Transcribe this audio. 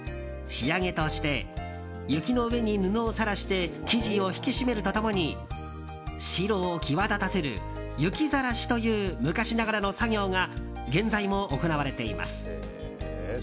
仕上げとして雪の上に布をさらして生地を引き締めると共に白を際立たせる雪ざらしという昔ながらの作業が現在も行われています。